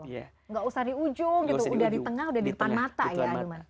nggak usah di ujung gitu udah di tengah udah di depan mata ya ahilman